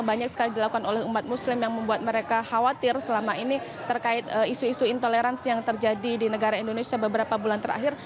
banyak sekali dilakukan oleh umat muslim yang membuat mereka khawatir selama ini terkait isu isu intoleransi yang terjadi di negara indonesia beberapa bulan terakhir